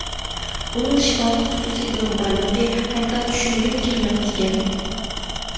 ئۇنىڭ شىپالىق خۇسۇسىيىتىنىڭ بارلىقى ھەتتا چۈشۈمگىمۇ كىرمەپتىكەن.